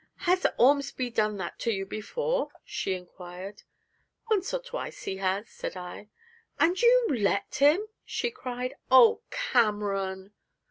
'Has Ormsby done that to you before?' she inquired. 'Once or twice he has,' said I. 'And you let him!' she cried. 'Oh, Cameron!'